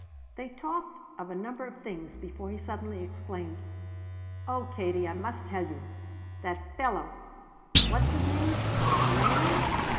They talked of a number of things before he suddenly exclaimed: "Oh Katie, I must tell you. That fellow what's his name? Mann?